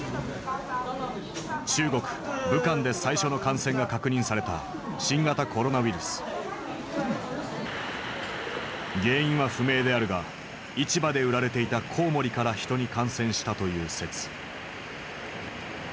中国武漢で最初の感染が確認された原因は不明であるが市場で売られていたこうもりから人に感染したという説。